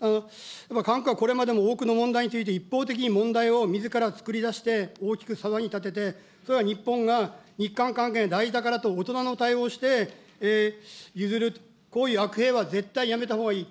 韓国はこれまでも多くの問題について一方的に問題をみずから作り出して、大きく騒ぎ立てて、それを日本が日韓関係が大事だからと大人の対応をして譲ると、こういう悪弊は絶対やめたほうがいい。